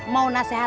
mau nasihat apa